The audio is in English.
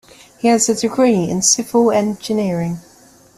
He has a degree in civil engineering.